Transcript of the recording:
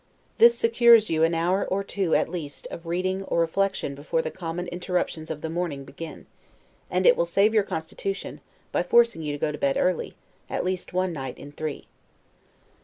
This secures you an hour or two, at least, of reading or reflection before the common interruptions of the morning begin; and it will save your constitution, by forcing you to go to bed early, at least one night in three.